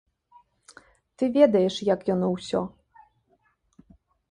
Ты ведаеш, як яно ўсё.